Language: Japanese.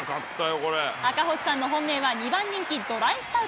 赤星さんの本命は２番人気、ドライスタウト。